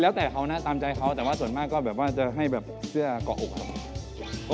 แล้วแต่เขานะตามใจเขาแต่ส่วนมากก็จะให้เสื้อกล่ออกครับ